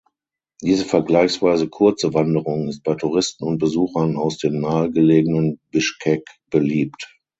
Diese vergleichsweise kurze Wanderung ist bei Touristen und Besuchern aus dem nahegelegenen Bischkek beliebt.